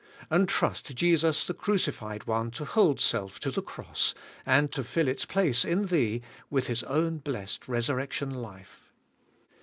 6). And trust Jesus the Crucified One to hold self to the cross, and to fill its place in thee with His own blessed resurrection life.